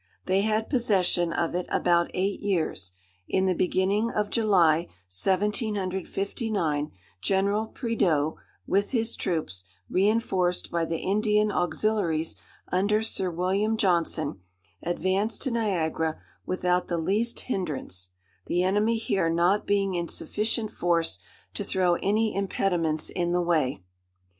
They had possession of it about eight years. In the beginning of July, 1759, General Prideaux, with his troops, reinforced by the Indian auxiliaries under Sir William Johnson, advanced to Niagara without the least hinderance—the enemy here not being in sufficient force to throw any impediments in the way.